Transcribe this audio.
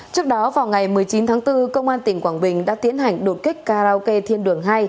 trước đó vào ngày một mươi chín tháng bốn công an tỉnh quảng bình đã tiến hành đột kích karaoke thiên đường hai